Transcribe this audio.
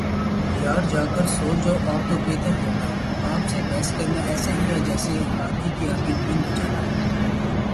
یار جا کر سو جاﺅ آپ تو بہتر ہو گا، آپ سے بحث کرنا ایسے ہی ہے جسیے ہاتھی کے آگے بین بجانا